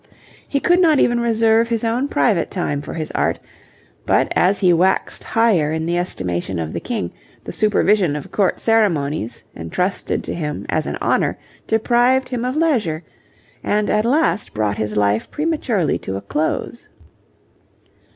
He could not even reserve his own private time for his art, but as he waxed higher in the estimation of the King, the supervision of Court ceremonies, entrusted to him as an honour, deprived him of leisure, and at last brought his life prematurely to a close.